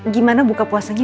gimana buka puasanya